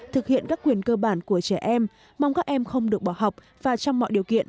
thực hiện các quyền cơ bản của trẻ em mong các em không được bỏ học và trong mọi điều kiện